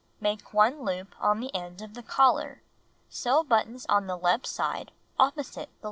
Make 1 loop on the end of the collar. Sew buttons on the left side opposite the loops.